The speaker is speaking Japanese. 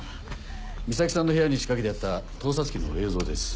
ミサキさんの部屋に仕掛けてあった盗撮器の映像です。